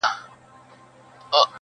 o د سختۍ څوک نه مري٫